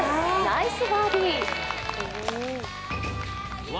ナイスバーディー。